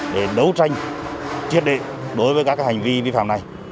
để đấu tranh chiến đệ đối với các hành vi vi phạm này